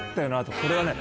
これはね